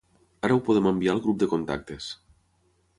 Ara ho podem enviar el grup de contactes.